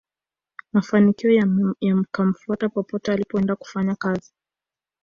mafanikio yakamfuata popote alipoenda kufanya kazi